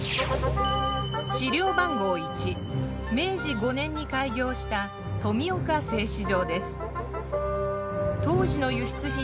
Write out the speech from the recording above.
資料番号１明治５年に開業した富岡製糸場です。